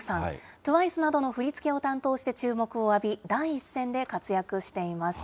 ＴＷＩＣＥなどの振り付けを担当して注目を浴び、第一線で活躍しています。